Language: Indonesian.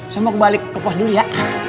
saya mau kembali ke pos dulu ya